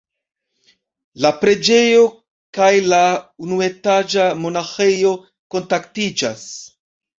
La preĝejo kaj la unuetaĝa monaĥejo kontaktiĝas.